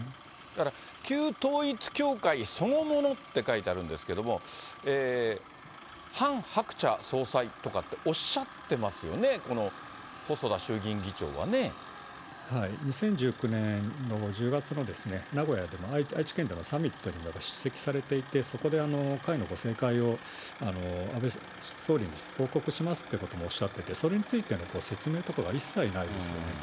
だから旧統一教会そのものって書いてあるんですけれども、ハン・ハクチャ総裁とかっておっしゃってますよね、２０１９年の１０月の名古屋での、愛知県でのサミットに出席されていて、そこで会のごせいかいを安倍総理に報告しますってこともおっしゃってて、それについての説明とかが一切ないですよね。